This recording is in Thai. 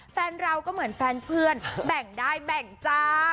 แฟนเราก็เหมือนแฟนเพื่อนแบ่งได้แบ่งจ้า